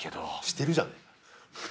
してるじゃねえか。